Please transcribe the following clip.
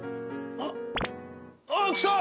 あっきた！